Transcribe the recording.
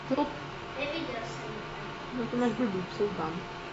Poté soutěžící vytvoří hudební videoklip „inspirovaný výkony v Glee“.